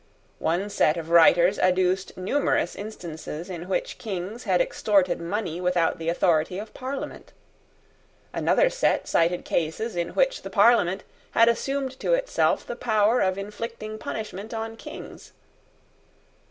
One set of writers adduced numerous instances in which Kings had extorted money without the authority of Parliament. Another set cited cases in which the Parliament had assumed to itself the power of inflicting punishment on Kings.